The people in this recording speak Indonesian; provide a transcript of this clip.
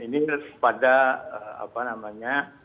ini pada apa namanya